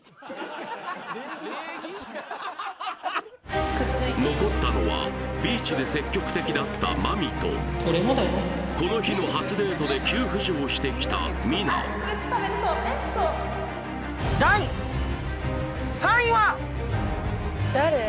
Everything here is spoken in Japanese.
ＪＴ残ったのはビーチで積極的だったマミとこの日の初デートで急浮上してきた誰？